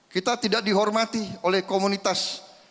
kita tidak dihormati oleh komunitas